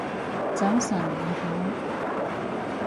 早晨你好